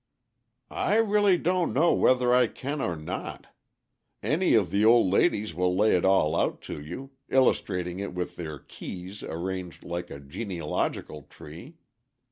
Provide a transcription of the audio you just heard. "I really don't know whether I can or not. Any of the old ladies will lay it all out to you, illustrating it with their keys arranged like a genealogical tree.